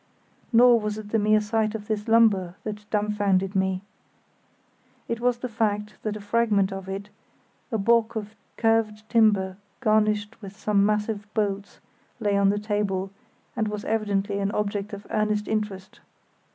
Nor was it the mere sight of this lumber that dumbfounded me. It was the fact that a fragment of it, a balk of curved timber garnished with some massive bolts, lay on the table, and was evidently an object of earnest interest.